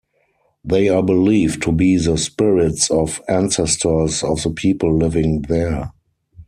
They are believed to be the spirits of ancestors of the people living there.